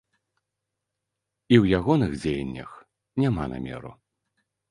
І ў ягоных дзеяннях няма намеру.